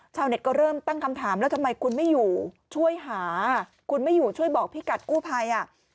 ชาวเน็ตก็เริ่มตั้งคำถามแล้วทำไมคุณไม่อยู่ช่วยหาคุณไม่อยู่ช่วยบอกพี่กัดกู้ภัยอ่ะ